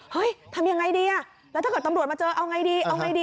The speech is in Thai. เฮ้ยทำอย่างไรดีแล้วถ้าเกิดตำรวจมาเจอเอาอย่างไรดี